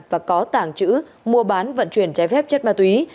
và có tảng chữ mua bán vận chuyển trái phép chất ma túy